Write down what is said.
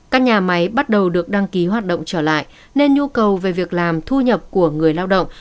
các nhà máy bắt đầu được đăng ký hoạt động trở lại nên nhu cầu về việc làm thu nhập của người lao động